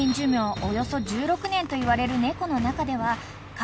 およそ１６年といわれる猫の中ではかなりの老猫］